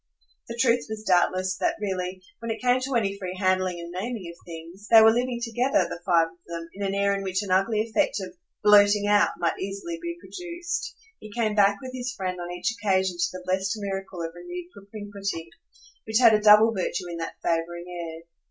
The truth was doubtless that really, when it came to any free handling and naming of things, they were living together, the five of them, in an air in which an ugly effect of "blurting out" might easily be produced. He came back with his friend on each occasion to the blest miracle of renewed propinquity, which had a double virtue in that favouring air.